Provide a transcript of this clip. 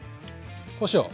こしょう。